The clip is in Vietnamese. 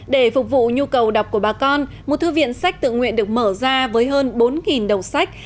để phục vụ nhu cầu đọc của bà con một thư viện sách tự nguyện được mở ra với hơn bốn đầu sách